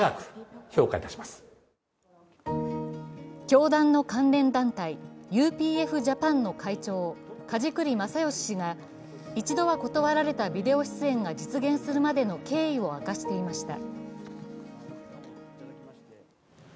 教団の関連団体、ＵＰＦジャパンの会長、梶栗正義氏が一度は断られたビデオ出演が実現するまでの経緯を明かしていました。